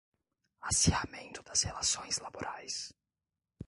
Acirramento das relações laborais